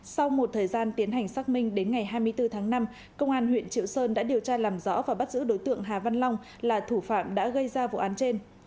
sau một thời gian tiến hành xác minh đến ngày hai mươi bốn tháng năm công an huyện triệu sơn đã điều tra làm rõ và bắt giữ đối tượng hà văn long là thủ phạm đàn ông